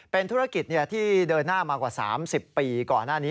เป็นธุรกิจที่เดินหน้ามากว่า๓๐ปีก่อนหน้านี้